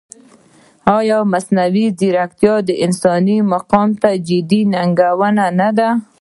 ایا مصنوعي ځیرکتیا د انسان مقام ته جدي ننګونه نه ده؟